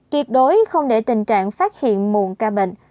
kiệt đối không để tình trạng phát hiện mùn ca bệnh